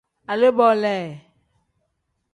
Alee-bo le.